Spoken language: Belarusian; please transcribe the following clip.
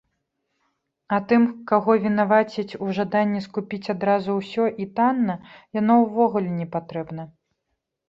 А тым, каго вінавацяць у жаданні скупіць адразу ўсё і танна, яно ўвогуле непатрэбна.